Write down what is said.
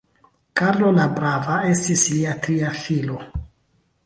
Karlo la Brava estis lia tria filo.